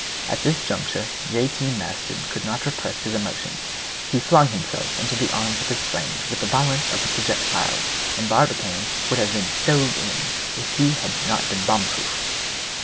At this juncture J. T. Maston could not repress his emotion; he flung himself into the arms of his friend with the violence of a projectile, and Barbicane would have been stove in if he had not been boom proof.